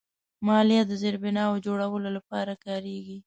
مالیه د زیربناوو جوړولو لپاره کارېږي.